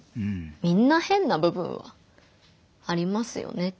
みんな変な部分はありますよね。